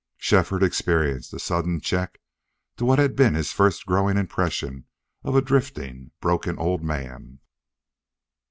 Shefford experienced a sudden check to what had been his first growing impression of a drifting, broken old man.